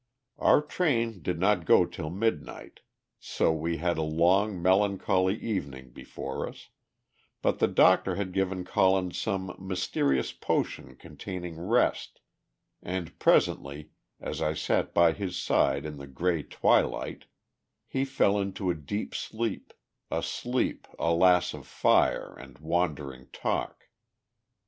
Our train did not go till midnight, so we had a long melancholy evening before us; but the doctor had given Colin some mysterious potion containing rest, and presently, as I sat by his side in the gray twilight, he fell into a deep sleep a sleep, alas! of fire and wandering talk.